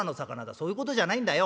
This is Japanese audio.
「そういうことじゃないんだよ。